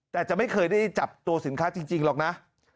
แต่จะไม่เคยได้จับตัวสินค้าจริงหรอกนะ